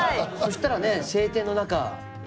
そしたらね晴天の中。